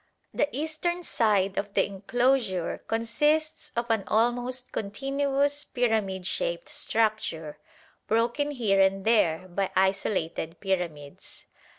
The eastern side of the enclosure consists of an almost continuous pyramid shaped structure, broken here and there by isolated pyramids.